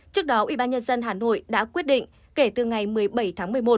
trước đó ubnd hà nội đã quyết định kể từ ngày một mươi bảy tháng một mươi một